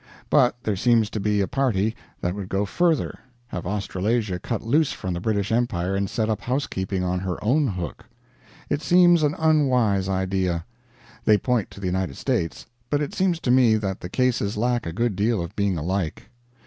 But there seems to be a party that would go further have Australasia cut loose from the British Empire and set up housekeeping on her own hook. It seems an unwise idea. They point to the United States, but it seems to me that the cases lack a good deal of being alike.